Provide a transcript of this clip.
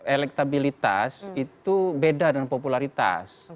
elektabilitas itu beda dengan popularitas